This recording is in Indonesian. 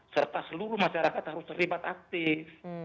serta seluruh masyarakat harus terlibat aktif